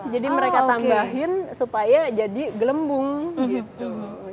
mereka tambahin supaya jadi gelembung gitu